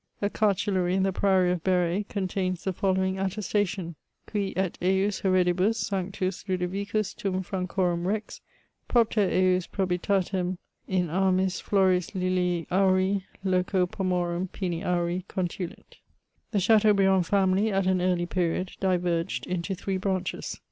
A cartulary in the priory of B^r^ contains the following attestation :" Cui et ejus haredibus, sanctns Ludovicus turn Francorum rex, propter ejus probitatem in armiSf flores lilii auri, loco pomorum pint auri, conttditJ* The Chateaubriand family, at an early period, diverged into three branches.